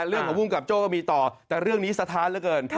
เรื่องของวุ่งกับโจ้ก็มีต่อแต่เรื่องนี้สะท้านแล้วเกิน